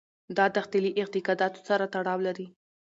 دا دښتې له اعتقاداتو سره تړاو لري.